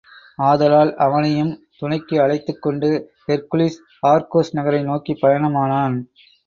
ஆதலால் அவனையும் துணைக்கு அழைத்துக் கொண்டு, ஹெர்க்குலிஸ் ஆர்கோஸ் நகரை நோக்கிப் பயணமானான்.